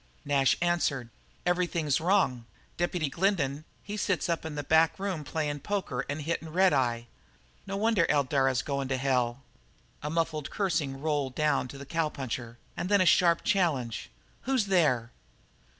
Nash answered: "Everything's wrong. Deputy Glendin, he sits up in a back room playin' poker and hittin' the redeye. No wonder Eldara's goin' to hell!" A muffled cursing rolled down to the cowpuncher, and then a sharp challenge: "Who's there?"